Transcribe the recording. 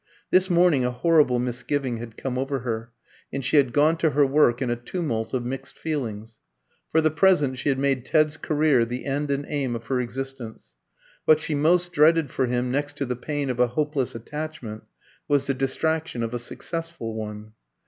This morning a horrible misgiving had come over her, and she had gone to her work in a tumult of mixed feelings. For the present she had made Ted's career the end and aim of her existence. What she most dreaded for him, next to the pain of a hopeless attachment, was the distraction of a successful one.